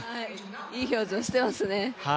いい表情してますね。